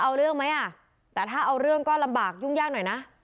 เอาเรื่องไหมอ่ะแต่ถ้าเอาเรื่องก็ลำบากยุ่งยากหน่อยนะ